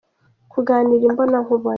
kuganira imbonankubone